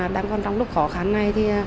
đang còn trong lúc khó khăn này thì